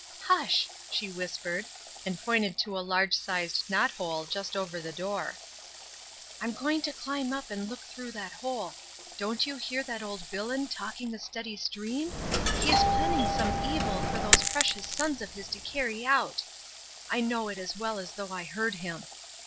"Hush!" she whispered, and pointed to a large sized knot hole just over the door. MELINDY'S BED 179 " I'm going to climb up and look through that hole. Don't you hear that old villain talking a steady stream? He is planning some evil for those precious sons of his to carry out. I know it as well as though I heard him.